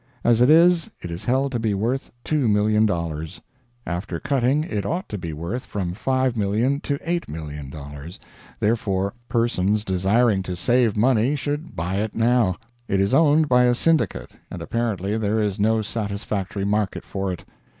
As it is, it is held to be worth $2,000,000. After cutting it ought to be worth from $5,000,000 to $8,000,000, therefore persons desiring to save money should buy it now. It is owned by a syndicate, and apparently there is no satisfactory market for it.